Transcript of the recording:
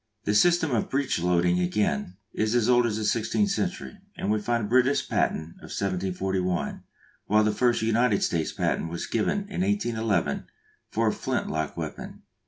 The system of breech loading, again, is as old as the sixteenth century, and we find a British patent of 1741; while the first United States patent was given in 1811 for a flint lock weapon.